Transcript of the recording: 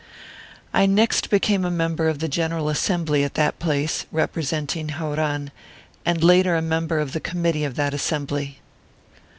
I next became a member of the General Assembly at that place, representing Hauran, and later a mem ber of the Committee of that Assembly.